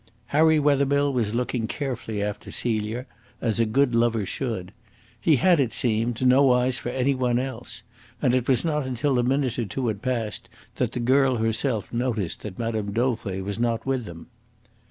Harry Wethermill was looking carefully after Celia, as a good lover should. He had, it seemed, no eyes for any one else; and it was not until a minute or two had passed that the girl herself noticed that Mme. Dauvray was not with them.